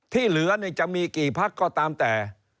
ที่เหลือจะมีกี่พักก็ตามแต่